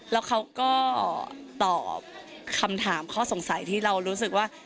แล้วเขาก็ตอบคำถามข้อสงสัยที่เรารู้สึกว่า